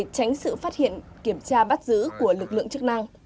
tránh sự phát hiện kiểm tra bắt giữ của lực lượng chức năng